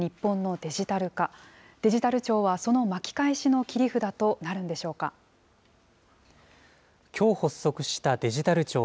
デジタル庁は、その巻き返しの切きょう発足したデジタル庁。